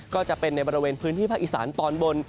ก็จะเป็นในบริเวณพื้นที่ภาคอีสานตอนบน